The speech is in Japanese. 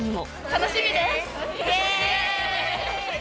楽しみでーす。